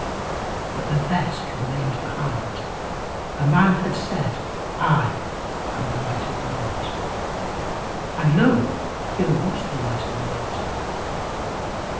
But the best remained behind. A man had said, "I am the light of the world," and lo! here was the light of the world.